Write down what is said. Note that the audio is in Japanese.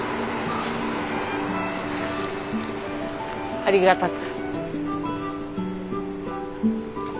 ありがたく。